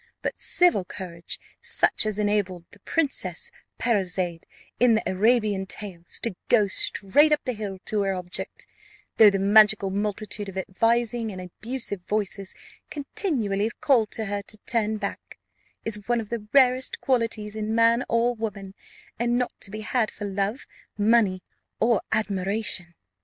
But civil courage, such as enabled the Princess Parizade, in the Arabian Tales, to go straight up the hill to her object, though the magical multitude of advising and abusive voices continually called to her to turn back, is one of the rarest qualities in man or woman, and not to be had for love, money, or admiration."